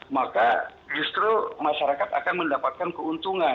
maka justru masyarakat akan mendapatkan keuntungan